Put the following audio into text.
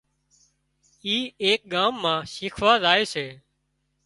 اي ايڪ ڳام مان شيکوا زائي سي